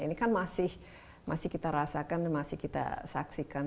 ini kan masih kita rasakan dan masih kita saksikan